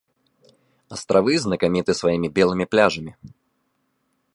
Астравы знакаміты сваімі белымі пляжамі.